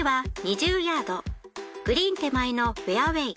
グリーン手前のフェアウェイ。